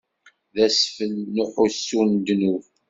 D asfel n uḥussu n ddnub.